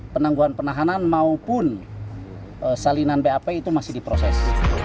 penangguhan penahanan maupun salinan bap itu masih diproses